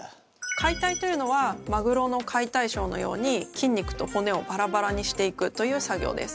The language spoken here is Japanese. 解体というのはマグロの解体ショーのように筋肉と骨をバラバラにしていくという作業です。